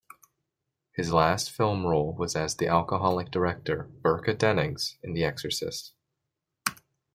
His last film role was as the alcoholic director Burke Dennings in "The Exorcist".